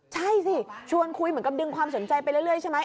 ใช่สิชวนคุยเหมือนกับดึงความสนใจไปเรื่อยใช่ไหม